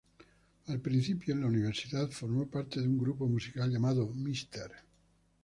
Al principio, en la universidad, formó parte de un grupo musical llamado “Mr.